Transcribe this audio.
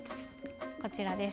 こちらです。